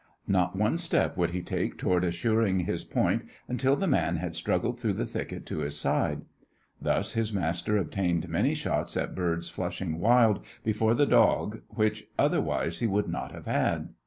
Not one step would he take toward assuring his point until the man had struggled through the thicket to his side. Thus his master obtained many shots at birds flushing wild before the dog which otherwise he would not have had.